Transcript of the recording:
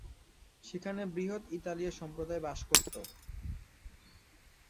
সেখানে বৃহৎ ইতালীয় সম্প্রদায় বাস করতো।